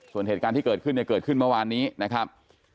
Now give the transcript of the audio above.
ส่วนเหตุการณ์ที่เกิดขึ้นเนี่ยเกิดขึ้นเมื่อวานนี้นะครับ